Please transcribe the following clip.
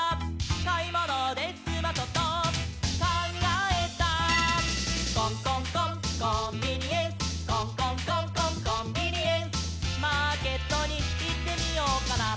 「かいものですまそとかんがえた」「コンコンコンコンビニエンス」「コンコンコンコンコンビニエンス」「マーケットにいってみようかな」